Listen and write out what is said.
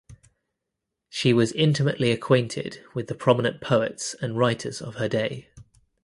She was intimately acquainted with the prominent poets and writers of her day.